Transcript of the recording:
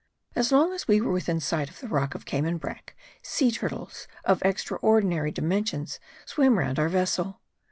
As long as we were within sight of the rock of Cayman brack sea turtles of extraordinary dimensions swam round our vessel.